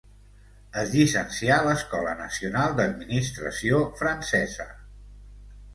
Es llicencià a l'Escola Nacional d'Administració francesa.